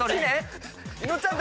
伊野尾ちゃん